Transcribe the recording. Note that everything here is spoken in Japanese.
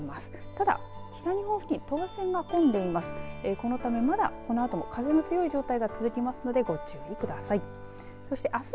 ただ、北日本付近等圧線が混んでいます。